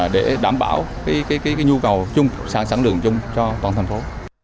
để đảm bảo cái nhu cầu sản lượng chung cho toàn thành phố